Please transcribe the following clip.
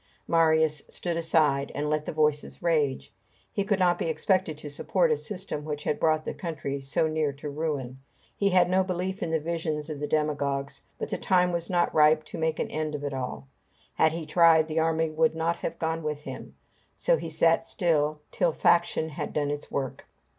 Marius stood aside, and let the voices rage. He could not be expected to support a system which had brought the country so near to ruin. He had no belief in the visions of the demagogues, but the time was not ripe to make an end of it all. Had he tried, the army would not have gone with him; so he sat still, till faction had done its work.